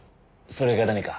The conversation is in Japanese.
それが何か？